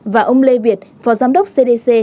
và ông lê việt phó giám đốc cdc